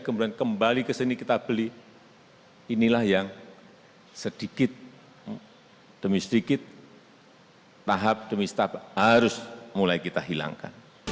kemudian kembali ke sini kita beli inilah yang sedikit demi sedikit tahap demi tahap harus mulai kita hilangkan